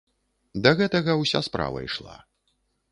Да гэтага ўся справа ішла.